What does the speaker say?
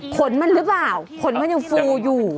ขนมันหรือเปล่าขนมันยังฟูอยู่